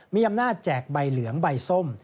มีอำนาจแจกใบเหลืองใบส้ม